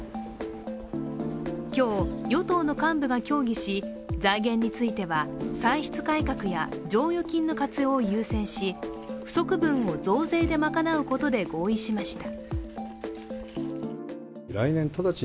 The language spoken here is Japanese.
今日、与党の幹部が協議し、財源については歳出改革や、剰余金の活用を優先し、不足分を増税で賄うことで合意しました。